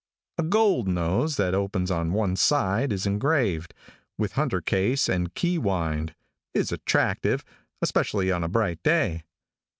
A gold nose that opens on one side and is engraved, with hunter case and key wind, is attractive, especially on a bright day.